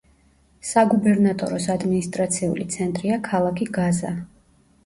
საგუბერნატოროს ადმინისტრაციული ცენტრია ქალაქი გაზა.